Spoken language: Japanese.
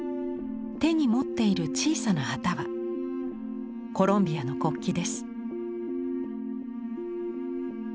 手に持っている小さな旗はコロンビアの国旗です。